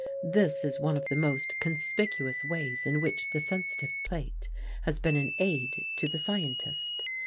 This is one of the most conspicuous ways in which the sensitive plate has been an aid to the scientist.